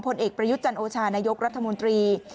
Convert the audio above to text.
ผลเอกประยุทธ์จันโอชานายกรัฐมนตรี